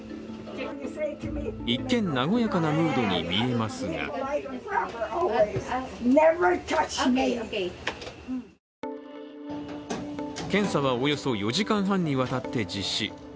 一見和やかなムードに見えますが検査はおよそ４時間半にわたって実施。